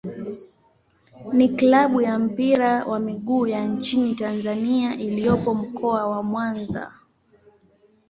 ni klabu ya mpira wa miguu ya nchini Tanzania iliyopo Mkoa wa Mwanza.